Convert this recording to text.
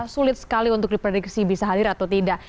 sulit sekali untuk diprediksi bisa hadir atau tidak